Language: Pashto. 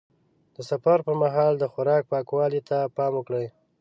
د سفر پر مهال د خوراک پاکوالي ته پام وکړه.